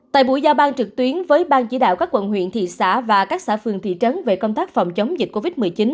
tại buổi giao ban trực tuyến với bang chỉ đạo các quận huyện thị xã và các xã phường thị trấn về công tác phòng chống dịch covid một mươi chín